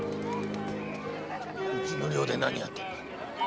うちの寮で何やってんだ？